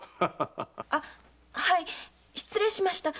あっはい失礼しました。